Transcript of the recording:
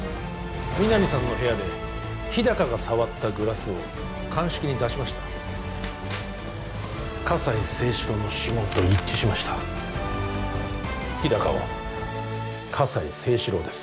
皆実さんの部屋で日高が触ったグラスを鑑識に出しました葛西征四郎の指紋と一致しました日高は葛西征四郎です